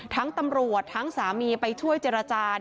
ตำรวจทั้งสามีไปช่วยเจรจา